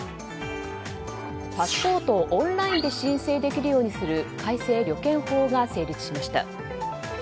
パスポートをオンラインで申請できるようにする改正旅券法が成立しました。